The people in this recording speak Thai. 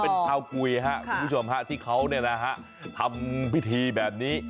เป็นชาวกุยครับคุณผู้ชมฮะที่เขาทำพิธีแบบนี้